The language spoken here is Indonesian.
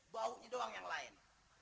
baunya doang yang lain